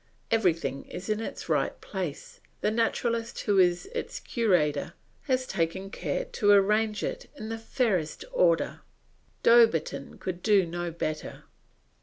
Everything is in its right place; the Naturalist who is its curator has taken care to arrange it in the fairest order; Dauberton could do no better.